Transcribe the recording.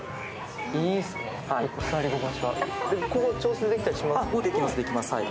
ここ、調整できたりします？